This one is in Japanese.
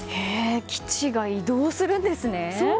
基地が移動するんですね。